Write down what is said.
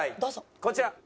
こちら。